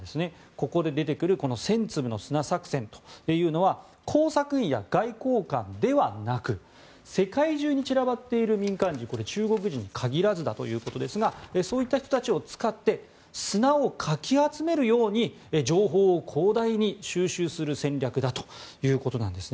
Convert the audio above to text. ここで出てくる千粒の砂作戦というのは工作員や外交官ではなく世界中に散らばっている民間人これ中国人に限らずということですがそういった人たちを使って砂をかき集めるように情報を広大に収集する戦略だということなんですね。